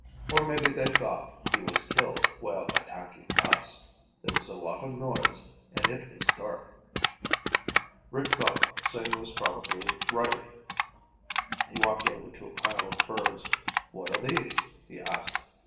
Or maybe they thought he was killed while attacking us. There was a lot of noise, and it was dark." Rick thought Sing was probably right. He walked over to a pile of furs. "What are these?" he asked.